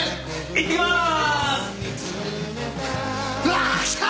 いってきます！